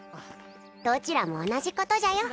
どちらも同じことじゃよ